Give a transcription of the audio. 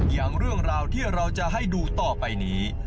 อย่างเรื่องราวที่เราจะให้ดูต่อไปนี้